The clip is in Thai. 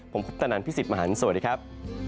ผมพุทธนันทร์พี่สิทธิ์มหันตร์สวัสดีครับ